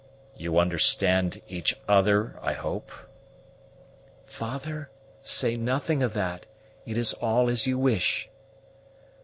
You understand each other, I hope?" "Father, say nothing of that; it is all as you wish."